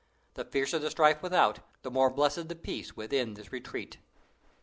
The fiercer the strife without, the more blessed the peace within this retreat.